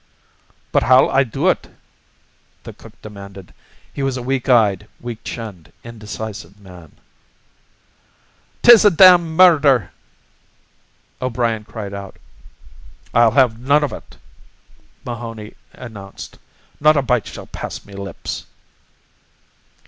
"But how'll I do it," the cook demanded. He was a weak eyed, weak chinned, indecisive man. "'Tis a damned murder!" O'Brien cried out. "I'll have none of ut," Mahoney announced. "Not a bite shall pass me lips."